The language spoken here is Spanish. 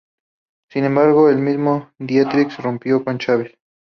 Sin embargo, el mismo Dieterich rompió con Chávez.